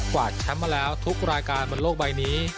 วาดแชมป์มาแล้วทุกรายการบนโลกใบนี้